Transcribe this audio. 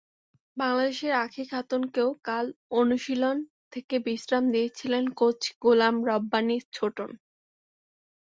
বাংলাদেশের আঁখি খাতুনকেও কাল অনুশীলন থেকে বিশ্রাম দিয়েছিলেন কোচ গোলাম রব্বানী ছোটন।